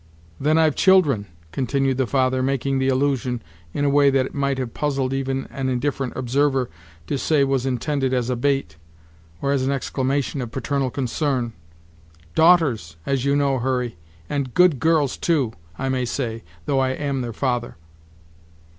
"Then I've children!" continued the father, making the allusion in a way that it might have puzzled even an indifferent observer to say was intended as a bait, or as an exclamation of paternal concern, "daughters, as you know, Hurry, and good girls too, I may say, though I am their father."